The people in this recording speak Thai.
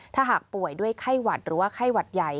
ถ้าหากป่วยด้วยไข้หวัดหรือว่าไข้หวัดใหญ่